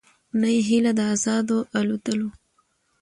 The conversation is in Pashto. نه یې هیله د آزادو الوتلو